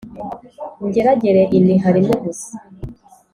ingeragere iniha rimwe gusa,